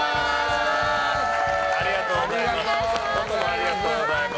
ありがとうございます。